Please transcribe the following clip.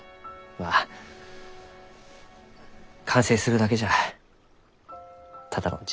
まあ完成するだけじゃただの自己満足じゃ。